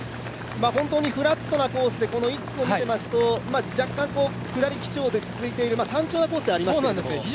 本当にフラットなコースでこの１区を見ていますと若干下り基調で続いている単調なコースではありますけども。